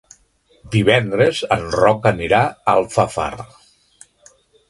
Divendres en Roc anirà a Alfafar.